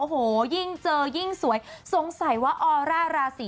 โอ้โหยิ่งเจอยิ่งสวยสงสัยว่าออร่าราศี